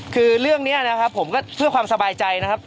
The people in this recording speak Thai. คือเรื่องนี้นะครับผมก็เพื่อความสบายใจนะครับ